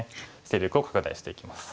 勢力を拡大していきます。